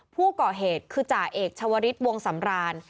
ผู้ก่อเหตุคือจ่าเอกชาวริสวงสำราน